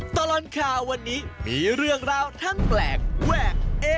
ตลอดข่าววันนี้มีเรื่องราวทั้งแปลกแวกเอ